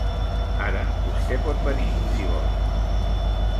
Ara vostè pot venir, si vol.